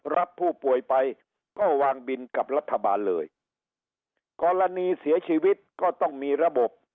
รับผู้ป่วยไปก็วางบินกับรัฐบาลเลยกรณีเสียชีวิตก็ต้องมีระบบ